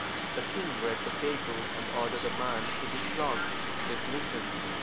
The king read the paper, and ordering the man to be flogged, dismissed him.